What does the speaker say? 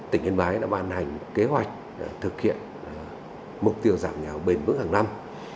tỉnh yên bái đã ban hành kế hoạch thực hiện mục tiêu giảm nghèo bền vững hàng năm